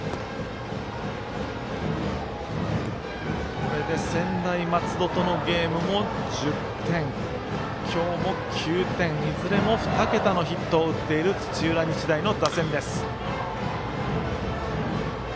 これで専大松戸とのゲームも１０点今日も９点、いずれも２桁のヒットを打っている土浦日大の打線。